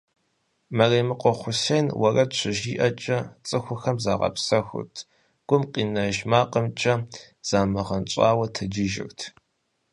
Мэремыкъуэ Хъусен уэрэд щыжиӀэкӀэ цӀыхухэм загъэпсэхурт, гум къинэж макъымкӀэ замыгъэнщӀауэ тэджыжырт.